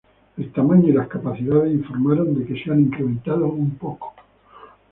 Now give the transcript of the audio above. El tamaño y las capacidades informaron de que se han incrementado un poco.